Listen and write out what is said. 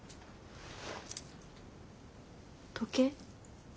時計。